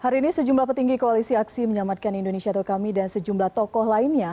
hari ini sejumlah petinggi koalisi aksi menyelamatkan indonesia atau kami dan sejumlah tokoh lainnya